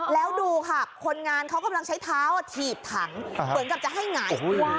แล้วดูค่ะคนงานเขากำลังใช้เท้าถีบถังเหมือนกับจะให้หงาย